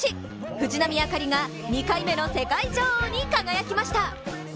藤波朱理が２回目の世界女王に輝きました。